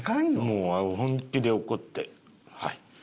もう本気で怒ってはい。